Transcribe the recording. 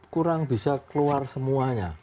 kurang bisa keluar semuanya